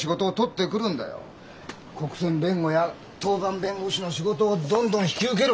国選弁護や当番弁護士の仕事をどんどん引き受ける！